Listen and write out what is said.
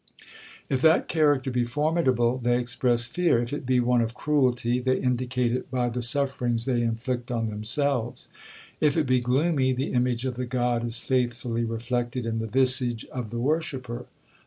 If that character be formidable, they express fear; if it be one of cruelty, they indicate it by the sufferings they inflict on themselves; if it be gloomy, the image of the god is faithfully reflected in the visage of the worshipper.